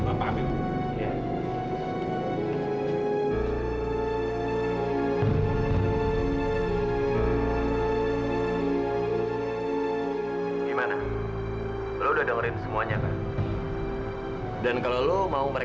bapak kemarin malem juga sempet beliin baju buat kamu